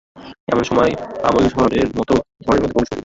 এমন সময় অমল ঝড়ের মতো ঘরের মধ্যে প্রবেশ করিল।